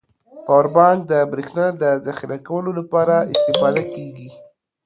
پاور بانک د بريښنا د زخيره کولو لپاره استفاده کیږی.